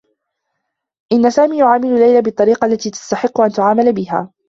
إنّ سامي يعامل ليلى بالطّريقة التي تستحق أن تُعامَل بها.